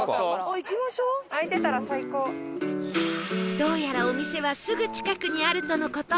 どうやらお店はすぐ近くにあるとの事